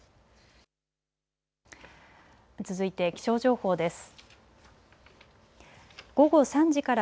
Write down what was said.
続いて気象情報です。